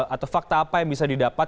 atau fakta apa yang bisa didapat